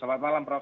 selamat malam prof